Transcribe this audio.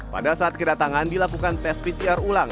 pada saat kedatangan dilakukan tes pcr ulang